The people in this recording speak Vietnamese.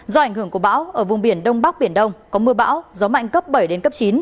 do ảnh hưởng của bão ở vùng biển đông bắc biển đông có mưa bão gió mạnh cấp bảy đến cấp chín